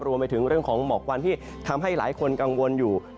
รวมไปถึงเรื่องของหมอกควันที่ทำให้หลายคนกังวลอยู่